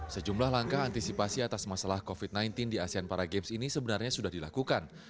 sejumlah langkah antisipasi atas masalah covid sembilan belas di asean para games ini sebenarnya sudah dilakukan